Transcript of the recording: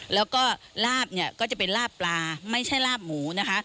แล้วก็ลาบเนี่ยก็จะเป็นลาบปลาไม่ใช่ลาบหมูนะคะ